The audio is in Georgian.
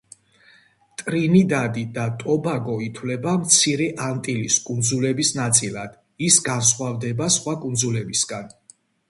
ტრინიდადი და ტობაგო ითვლება მცირე ანტილის კუნძულების ნაწილად, ის განსხვავდება სხვა კუნძულებისგან.